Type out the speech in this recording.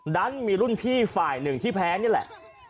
ดันมีรุ่นพี่ฝ่ายหนึ่งที่แพ้นี่แหละ